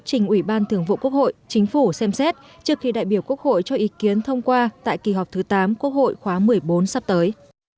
trình ủy ban thường vụ quốc hội chính phủ xem xét trước khi đại biểu quốc hội cho ý kiến thông qua tại kỳ họp thứ tám quốc hội khóa một mươi bốn sắp tới